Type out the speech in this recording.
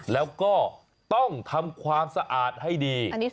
แล้วก็ต้องทำความสะอาดให้ดี